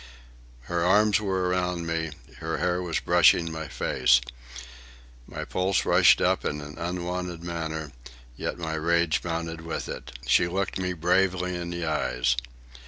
Her arms were around me, her hair was brushing my face. My pulse rushed up in an unwonted manner, yet my rage mounted with it. She looked me bravely in the eyes.